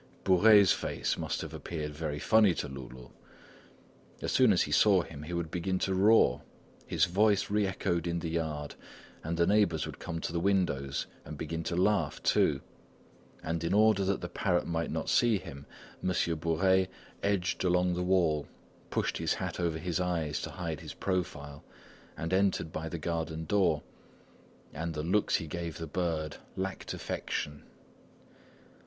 Bourais' face must have appeared very funny to Loulou. As soon as he saw him he would begin to roar. His voice re echoed in the yard, and the neighbours would come to the windows and begin to laugh, too; and in order that the parrot might not see him, Monsieur Bourais edged along the wall, pushed his hat over his eyes to hide his profile, and entered by the garden door, and the looks he gave the bird lacked affection.